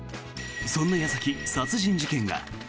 そんな矢先、殺人事件が。